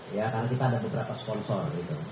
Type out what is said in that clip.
karena kita ada beberapa sponsor